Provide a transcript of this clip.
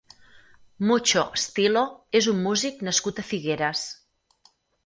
Mucho Stilo és un músic nascut a Figueres.